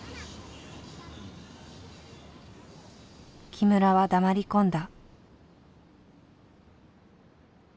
木村は黙り込んだ。